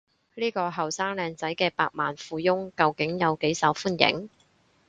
呢個後生靚仔嘅百萬富翁究竟有幾受歡迎？